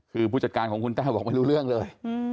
คือผู้จัดการของคุณแต้วบอกไม่รู้เรื่องเลย